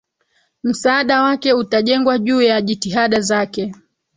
msaada wake utajengwa juu ya jitihada zake